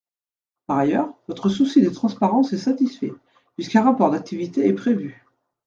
Par ailleurs, votre souci de transparence est satisfait, puisqu’un rapport d’activité est prévu.